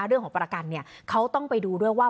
เรื่องของประกันเนี่ยเขาต้องไปดูด้วยว่า